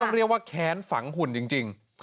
เรียกว่าแค้นฝังหุ่นจริง